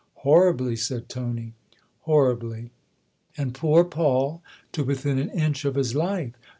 " Horribly/' said Tony. " Horribly." "And poor Paul to within an inch of his life."